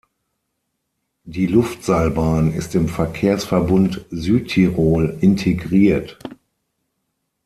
Die Luftseilbahn ist im Verkehrsverbund Südtirol integriert.